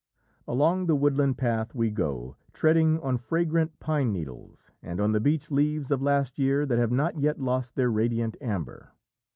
Along the woodland path we go, treading on fragrant pine needles and on the beech leaves of last year that have not yet lost their radiant amber.